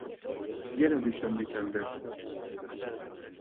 يەنە دۈشەنبە كەلدى.